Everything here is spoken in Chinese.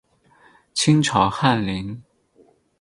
清朝翰林。